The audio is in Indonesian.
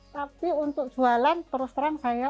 tapi untuk jualan terus terang saya